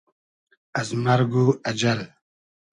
از مئرگ و اجئل